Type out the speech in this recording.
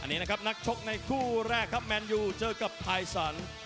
นี่นะครับนักชกในคู่แรกครับแมนยูเจอกับไทสัน